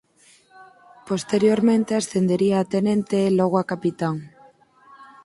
Posteriormente ascendería a tenente e logo a capitán.